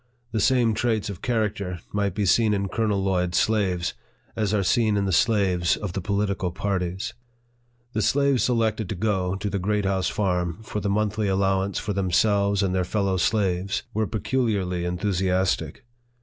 The same traits of character might be seen in Colonel Lloyd's slaves, as are seen in the slaves of the political parties. The slaves selected to go to the Great House Farm, for Ihe monthly allowance for themselves and their felloWslaves, were peculiarly enthusiastic.